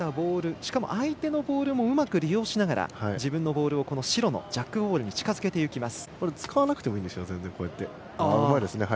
しかも相手のボールもうまく利用しながら自分のボールを白のジャックボールに近づけていきます。